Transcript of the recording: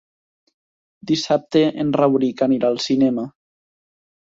Dissabte en Rauric anirà al cinema.